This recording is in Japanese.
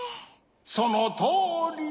そのとおり！